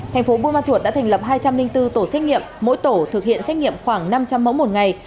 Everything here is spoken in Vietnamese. tp bôn ma thuột đã thành lập hai trăm linh bốn tổ xét nghiệm mỗi tổ thực hiện xét nghiệm khoảng năm trăm linh mẫu một ngày